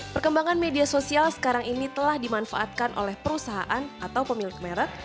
perkembangan media sosial sekarang ini telah dimanfaatkan oleh perusahaan atau pemilik merek